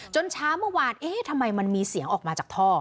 เช้าเมื่อวานเอ๊ะทำไมมันมีเสียงออกมาจากท่อ